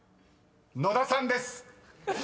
［野田さんです］